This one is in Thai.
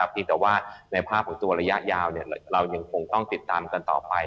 เพียงแต่ว่าในภาพของตัวระยะยาวเรายังคงต้องติดตามกันต่อไป